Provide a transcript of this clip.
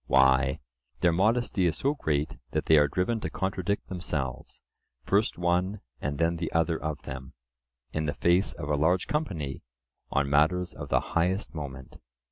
Why, their modesty is so great that they are driven to contradict themselves, first one and then the other of them, in the face of a large company, on matters of the highest moment.